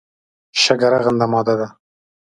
شګه رغنده ماده ده.